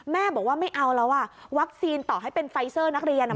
แม่บอกว่าไม่เอาแล้วอ่ะวัคซีนต่อให้เป็นไฟเซอร์นักเรียนอ่ะ